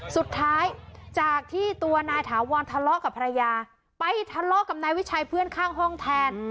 สุดท้ายจากที่ตัวนายถาวรทะเลาะกับภรรยาไปทะเลาะกับนายวิชัยเพื่อนข้างห้องแทน